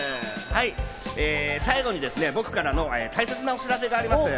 最後に僕からの大切なお知らせがあります。